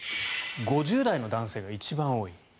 ５０代の男性が一番多い。